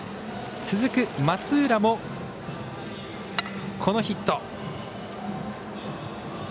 続く松浦もヒット。